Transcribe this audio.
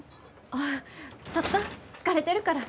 あっちょっと疲れてるから。